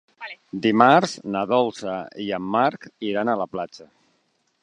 Dimarts na Dolça i en Marc iran a la platja.